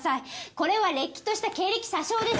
これはれっきとした経歴詐称です